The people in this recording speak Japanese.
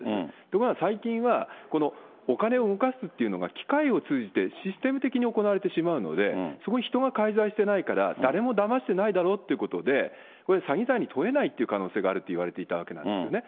ところが最近は、このお金を動かすというのが、機械を通じて、システム的に行われてしまうので、そこに人が介在してないから、誰もだましてないだろうということで、これで詐欺罪に問えないという可能性があるといわれていたわけなんですよね。